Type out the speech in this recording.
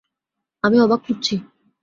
আমি অবাক হচ্ছি।